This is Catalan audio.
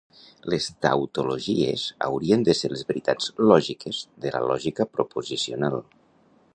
Les tautologies haurien de ser les veritats lògiques de la lògica proposicional.